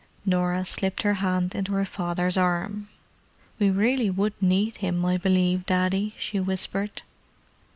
Norah slipped her hand into her father's arm. "We really would need him, I believe, Daddy," she whispered.